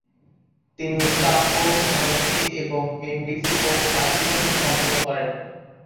তিনি staff course Bharat থেকে এবং এনডিসি কোর্স পাকিস্তান থেকে সম্পন্ন করেন।